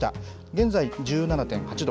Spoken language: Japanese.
現在、１７．８度。